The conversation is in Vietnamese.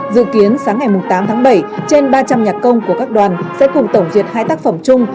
dự kiến sáng ngày tám tháng bảy trên ba trăm linh nhạc công của các đoàn sẽ cùng tổng duyệt hai tác phẩm chung